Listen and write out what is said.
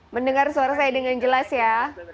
mendengar suara saya dengan jelas ya